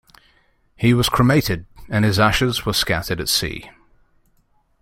He was cremated and his ashes were scattered at sea.